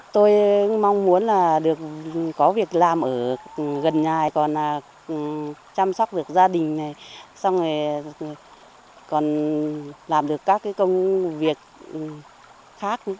tôi mong muốn là được có việc làm ở gần nhà còn chăm sóc được gia đình này xong rồi còn làm được các công việc khác